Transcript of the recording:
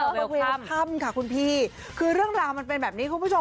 บริเวณถ้ำค่ะคุณพี่คือเรื่องราวมันเป็นแบบนี้คุณผู้ชม